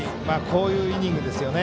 こういうイニングですよね。